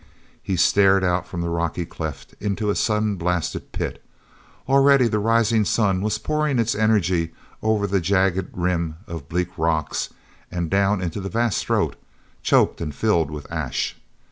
He stared out from the rocky cleft into a sun blasted pit. Already the rising sun was pouring its energy ever the jagged rim of bleak rocks and down into the vast throat, choked and filled with ash.